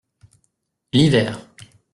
L’hiver.